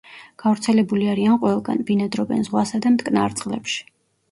გავრცელებული არიან ყველგან, ბინადრობენ ზღვასა და მტკნარ წყლებში.